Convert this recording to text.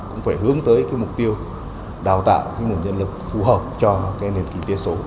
cũng phải hướng tới mục tiêu đào tạo nguồn nhân lực phù hợp cho nền kinh tế số